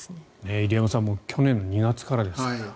入山さん去年の２月からですから。